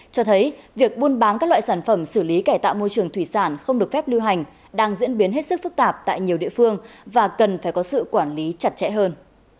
cho thấy việc buôn bán các loại sản phẩm xử lý cải tạo môi trường thủy sản không được phép lưu hành đang diễn biến hết sức phức tạp tại nhiều địa phương và cần phải có sự quản lý chặt chẽ hơn